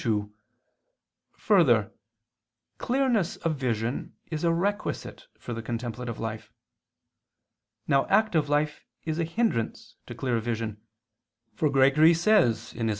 2: Further, clearness of vision is a requisite for the contemplative life. Now active life is a hindrance to clear vision; for Gregory says (Hom.